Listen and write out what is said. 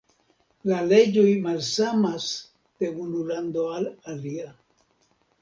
La leĝoj malsamas de unu lando al alia.